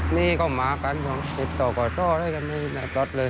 หนี้เข้ามากันสิ้นต่อก่อโซ่ได้กันในรถเลย